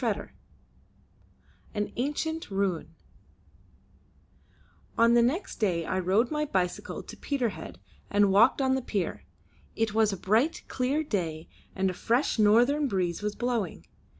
CHAPTER III AN ANCIENT RUNE On the next day I rode on my bicycle to Peterhead, and walked on the pier. It was a bright clear day, and a fresh northern breeze was blowing.